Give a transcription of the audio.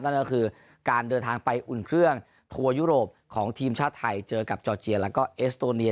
นั่นก็คือการเดินทางไปอุ่นเครื่องทัวร์ยุโรปของทีมชาติไทยเจอกับจอร์เจียแล้วก็เอสโตเนีย